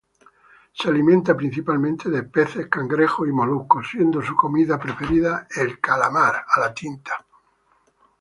Se alimenta principalmente de peces, cangrejos y moluscos, siendo su comida preferida el calamar.